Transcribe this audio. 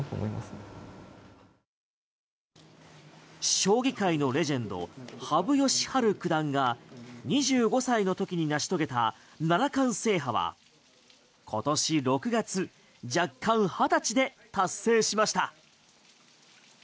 将棋界のレジェンド羽生善治九段が２５歳の時に成し遂げた七冠制覇は今年６月弱冠２０歳で達成しました。